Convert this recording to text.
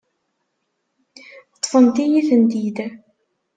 Ṭṭfent-iyi-tent-id.